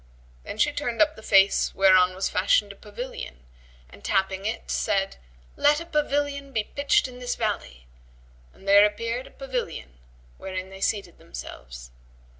Then she turned up the face where on was fashioned a pavilion and tapping it said, "Let a pavilion be pitched in this valley;" and there appeared a pavilion, wherein they seated themselves.